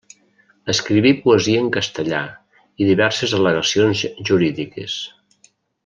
Escriví poesia en castellà i diverses al·legacions jurídiques.